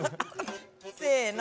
せの。